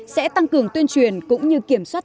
sẽ tăng cường tuyên truyền cũng như kiểm soát